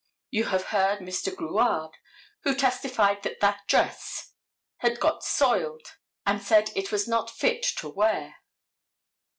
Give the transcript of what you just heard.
You have heard Mr. Grouard, who testified that that dress had got soiled, and said that it was not fit to wear.